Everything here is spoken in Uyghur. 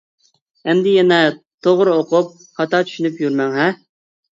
ئەمدى يەنە توغرا ئوقۇپ، خاتا چۈشىنىپ يۈرمەڭ-ھە؟ !